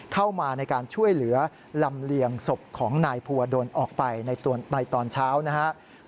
เข้ามาในการช่วยเหลือลำเลียงศพของนายภูวดลออกไปในตอนเช้านะครับ